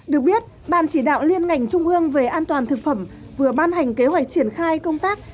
được biết ban chỉ đạo liên ngành trung ương về an toàn thực phẩm vừa ban hành kế hoạch triển khai công tác